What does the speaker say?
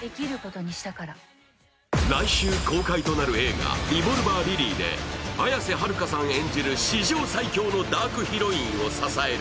来週公開となる映画「リボルバー・リリー」で綾瀬はるかさん演じる史上最強のダークヒロインを支える